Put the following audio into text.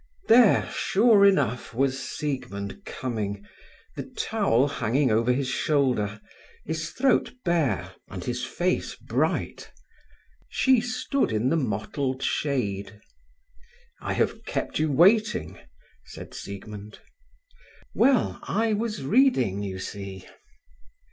There, sure enough, was Siegmund coming, the towel hanging over his shoulder, his throat bare, and his face bright. She stood in the mottled shade. "I have kept you waiting," said Siegmund. "Well, I was reading, you see."